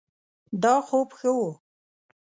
دا خوب ښه ؤ